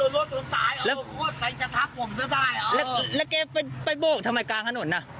ไม่เป็นศักดิ์หรอกมันฟังไปเลยไงมีคนศักดิ์ไง